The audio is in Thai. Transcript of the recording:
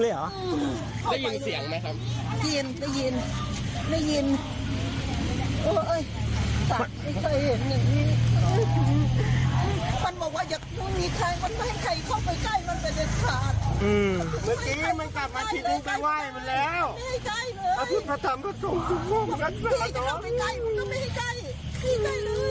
ไม่ให้ใกล้มันก็ไม่ให้ใกล้ไม่ให้ใกล้เลย